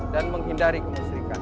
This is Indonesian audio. dan menghindari kemusrikan